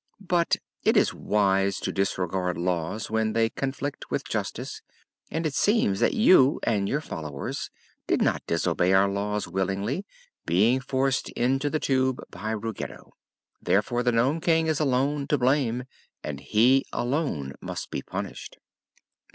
But it is wise to disregard laws when they conflict with justice, and it seems that you and your followers did not disobey our laws willingly, being forced into the Tube by Ruggedo. Therefore the Nome King is alone to blame, and he alone must be punished."